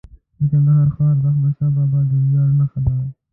د کندهار ښار د احمدشاه بابا د ویاړ نښه ده.